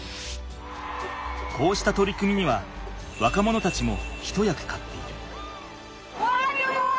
こうした取り組みには若者たちも一役買っている。